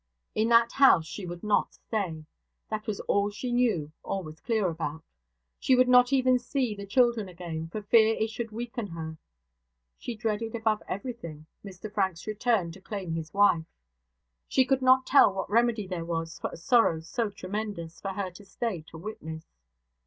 In that house she would not stay. That was all she knew or was clear about. She would not even see the children again, for fear it should weaken her. She dreaded above everything Mr Frank's return to claim his wife. She could not tell what remedy there was for a sorrow so tremendous, for her to stay to witness.